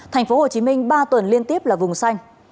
thành phố hồ chí minh ba tuần liên tiếp là vùng xanh